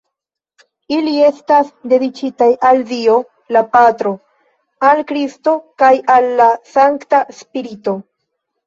Ili estas dediĉitaj al Dio, la patro, al Kristo kaj al la Sankta Spirito.